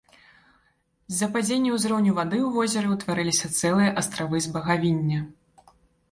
З-за падзення ўзроўню вады ў возеры ўтварыліся цэлыя астравы з багавіння.